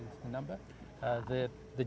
jumlah yang sangat besar